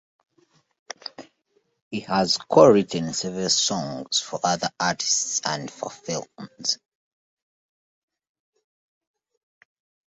He has co-written several songs for other artists and for films.